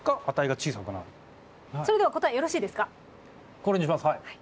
これにしますはい。